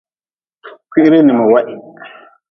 Kwiri n miweh.